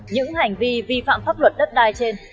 những hành vi vi phạm pháp luật đất đai trên